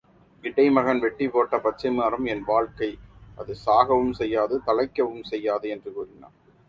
இடை மகன் வெட்டிப் போட்ட பச்சைமரம் என் வாழ்க்கை அது சாகவும் செய்யாது தழைக்கவும் செய்யாது என்று கூறினாள்.